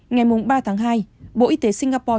ngày ba tháng hai bộ y tế singapore